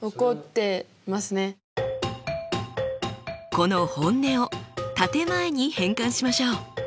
この本音を建て前に変換しましょう。